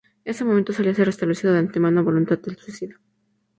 Ese momento solía ser establecido de antemano a voluntad del suicida.